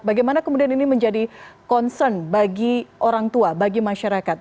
bagaimana kemudian ini menjadi concern bagi orang tua bagi masyarakat